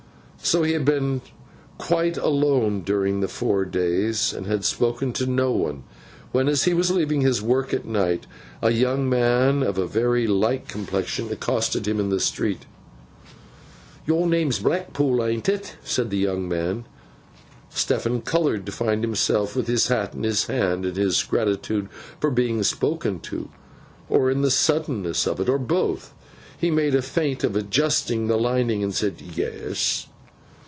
So, he had been quite alone during the four days, and had spoken to no one, when, as he was leaving his work at night, a young man of a very light complexion accosted him in the street. 'Your name's Blackpool, ain't it?' said the young man. Stephen coloured to find himself with his hat in his hand, in his gratitude for being spoken to, or in the suddenness of it, or both. He made a feint of adjusting the lining, and said, 'Yes.